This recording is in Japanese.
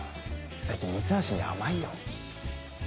最近三橋に甘いよ。